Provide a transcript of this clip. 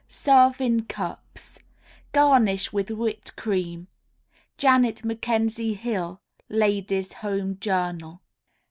Serve in cups. Garnish with whipped cream. _Janet McKenzie Hill Ladies' Home Journal.